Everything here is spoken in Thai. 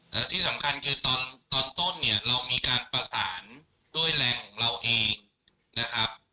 และที่สำคัญคือตอนต้นเนี่ยเรามีการประสานด้วยแรงของเราเองนะครับ